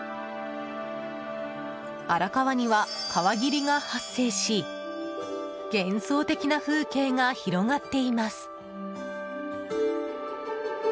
荒川には、川霧が発生し幻想的な風景が広がっています。